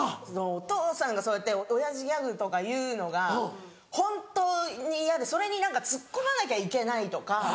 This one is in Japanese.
お父さんがそうやって親父ギャグとか言うのが本当に嫌でそれにツッコまなきゃいけないとか。